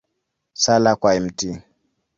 Sala kwa Mt.